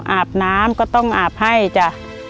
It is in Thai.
อาบน้ำก็ต้องอาบให้จ้ะ